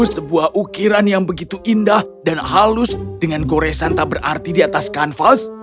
sebuah ukiran yang begitu indah dan halus dengan goresan tak berarti di atas kanvas